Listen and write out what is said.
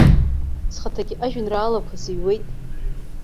Схаҭагьы ажәеинраалақәа зыҩуеит.